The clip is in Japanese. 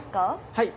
はい。